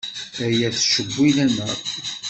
Aya yettcewwil-aneɣ.